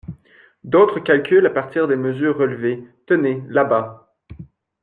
d’autres calculent à partir des mesures relevées, tenez, là-bas